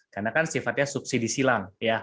karena kan sifatnya subsidi silang